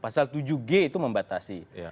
pasal tujuh g itu membatasi